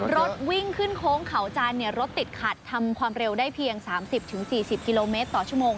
รถวิ่งขึ้นโค้งเขาจันทร์รถติดขัดทำความเร็วได้เพียง๓๐๔๐กิโลเมตรต่อชั่วโมง